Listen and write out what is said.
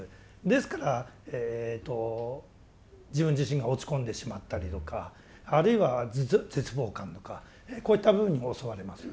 ですから自分自身が落ち込んでしまったりとかあるいは絶望感とかこういった部分に襲われます。